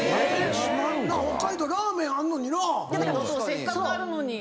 せっかくあるのに。